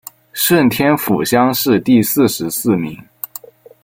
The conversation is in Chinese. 顺天府乡试第四十四名。